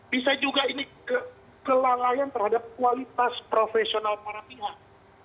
bisa juga ini kelalaian terhadap kualitas profesional para pihak